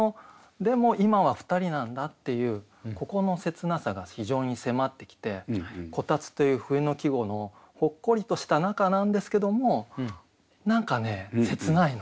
でも今は２人なんだっていうここの切なさが非常に迫ってきて「炬燵」という冬の季語のほっこりとした中なんですけども何かね切ないの。